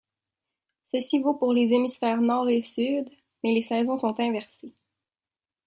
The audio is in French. Ceci vaut pour les hémisphères nord et sud, mais les saisons sont inversées.